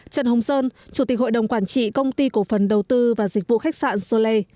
trần hồng sơn chủ tịch hội đồng quản trị công ty cổ phần đầu tư và dịch vụ khách sạn soleil